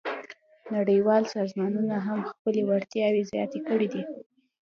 نړیوال سازمانونه هم خپلې وړتیاوې زیاتې کړې دي